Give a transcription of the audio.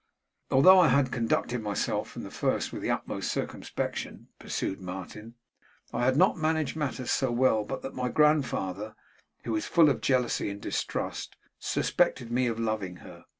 'Although I had conducted myself from the first with the utmost circumspection,' pursued Martin, 'I had not managed matters so well but that my grandfather, who is full of jealousy and distrust, suspected me of loving her.